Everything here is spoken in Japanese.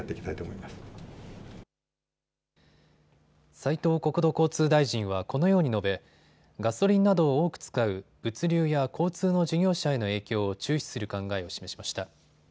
斉藤国土交通大臣はこのように述べ、ガソリンなどを多く使う物流や交通の事業者への影響を注視する考えを示しました。